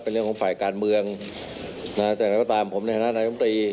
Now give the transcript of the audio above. เป็นเรื่องของฝ่ายการเมืองนะแต่เราก็ตามผมในฐานะนายมตรี